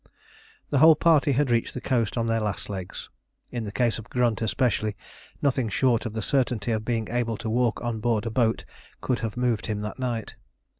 The whole party had reached the coast on their last legs. In the case of Grunt especially, nothing short of the certainty of being able to walk on board a boat could have moved him that night.